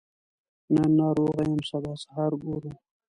نن ناروغه يم سبا سهار سره ګورو